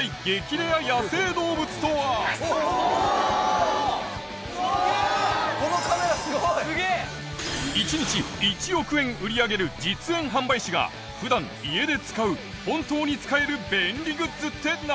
レア野生動物とは⁉１日１億円売り上げる実演販売士が普段家で使う本当に使える便利グッズって何？